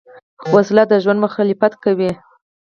وسله د ژوند مخالفت کوي